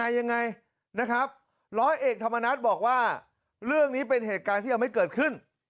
อันนี้เป็นเหตุการณ์ที่ยังไม่เกิดขึ้น